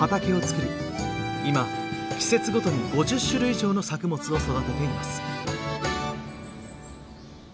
今季節ごとに５０種類以上の作物を育てています。